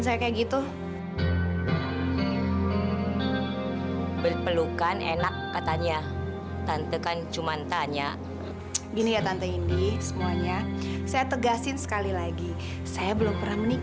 aku ingin dia sebagai anak hatinya sendiri